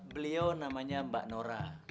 beliau namanya mbak nora